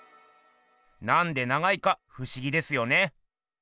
なんで長いかふしぎですよね。